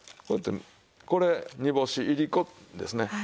こうやってこれ煮干しいりこですね。